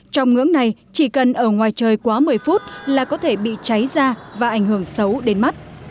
trong ngưỡng này chỉ cần ở ngoài trời quá một mươi phút là có thể bị cháy ra và ảnh hưởng xấu đến mắt